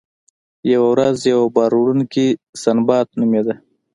یوه ورځ یو بار وړونکی سنباد نومیده.